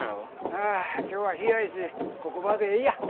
ああ今日はひやいしここばでえいや。